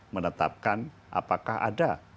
menetapkan apakah ada